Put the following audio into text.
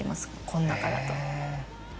こん中だと。